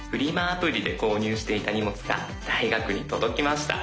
アプリで購入していた荷物が大学に届きました。